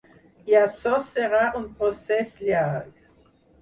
I açò serà un procés llarg.